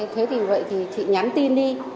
thế thì vậy thì chị nhắn tin đi